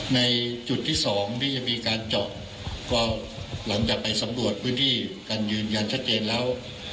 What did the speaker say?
ในจุดที่สองที่จะมีการเจาะก็หลังจากไปสำรวจพื้นที่การยืนยันชัดเจนแล้ว